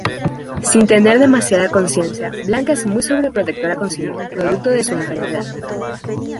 Sin tener demasiada consciencia, Blanca es muy sobreprotectora con Simón, producto de su enfermedad.